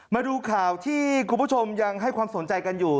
มาดูข่าวที่คุณผู้ชมยังให้ความสนใจกันอยู่